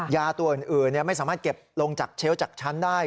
ยาตัวอื่นไม่สามารถเก็บลงจากเชลล์จากชั้นได้